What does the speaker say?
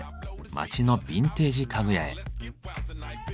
街のビンテージ家具屋へ。